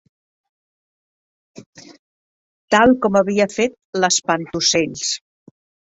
Tal com havia fet l'Espantaocells.